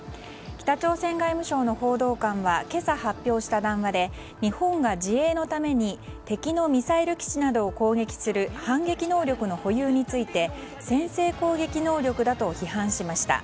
北朝鮮外務省の報道官は今朝発表した談話で日本が自衛のために敵のミサイル基地などを攻撃する反撃能力の保有について先制攻撃能力だと批判しました。